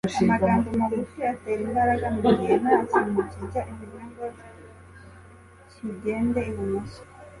Amagambo magufi atera imbaraga mugihe ntakintu kijya iburyo ngo cyi gende ibumoso